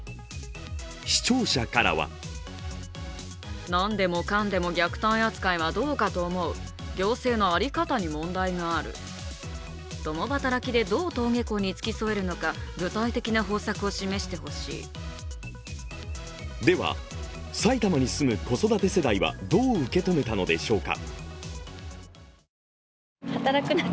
視聴者からはでは、埼玉に住む子育て世代はどう受け止めたのでしょうか？